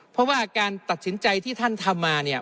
เพราะว่าการตัดสินใจที่ท่านทำมาเนี่ย